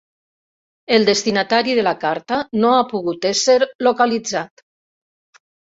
El destinatari de la carta no ha pogut ésser localitzat.